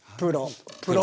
プロ。